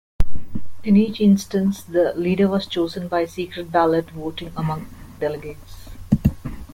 In each instance, the leader was chosen by secret-ballot voting among delegates.